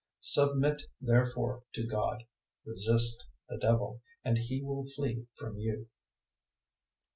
004:007 Submit therefore to God: resist the Devil, and he will flee from you.